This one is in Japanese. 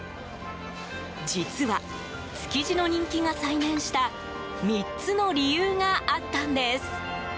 実は、築地の人気が再燃した３つの理由があったんです。